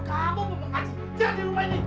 kalau kamu membangun haji jangan di rumah ini